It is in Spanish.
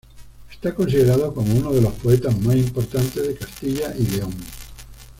Está considerado como uno de los poetas más importantes de Castilla y León.